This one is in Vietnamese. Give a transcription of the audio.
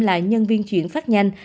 là nhân viên chuyển phát nhanh